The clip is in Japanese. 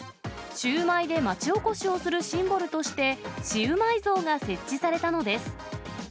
シューマイで町おこしをするシンボルとして、シウマイ像が設置されたのです。